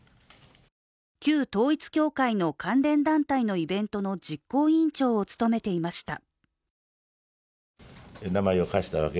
旧統一教会の関連団体のイベントの実行委員長を務めていました。